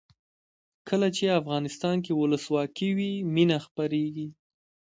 کله چې افغانستان کې ولسواکي وي مینه خپریږي.